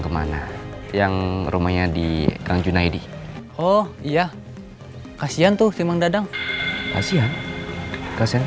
kemana yang rumahnya di kang junaidi oh iya kasihan tuh simang dadang kasihan kasihan